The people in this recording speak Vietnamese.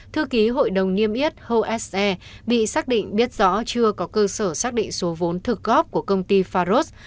thư ký hội đồng niêm yết hose bị xác định biết rõ chưa có cơ sở xác định số vốn thực góp của công ty faros